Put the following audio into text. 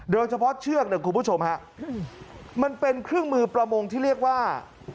โดยเฉพาะเชือกคุณผู้ชมมันเป็นเครื่องมือประมงที่เรียกว่า